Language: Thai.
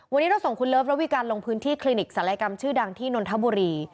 วันนี้เราส่งคุณเลิฟระวิการลงพื้นที่คลินิกศัลยกรรมชื่อดังที่นนทบุรี